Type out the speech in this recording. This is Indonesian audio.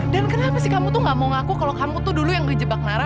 dan dan kenapa sih kamu tuh gak mau ngaku kalau kamu tuh dulu yang ngejebak nara